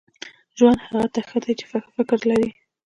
• ژوند هغه ته ښه دی چې ښه فکر لري.